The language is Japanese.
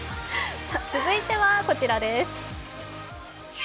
続いてはこちらです。